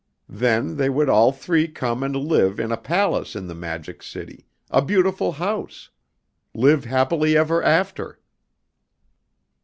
Then they would all three come and live in a palace in the Magic City, a beautiful house. Live happy ever after.